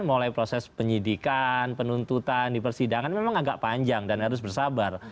mulai proses penyidikan penuntutan di persidangan memang agak panjang dan harus bersabar